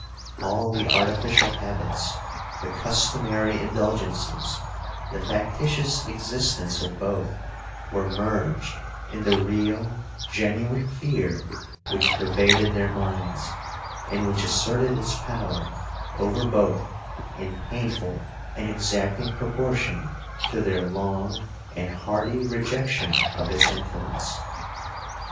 All the artificial habits, the customary indulgences, the factitious existence of both, were merged in the real genuine fear which pervaded their minds, and which asserted its power over both in painful and exacting proportion to their long and hardy rejection of its influence.